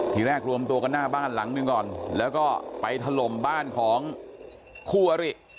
ทีแรกรวมตัวกันหน้าบ้านหลังหนึ่งก่อนแล้วก็ไปถล่มบ้านของคู่อริ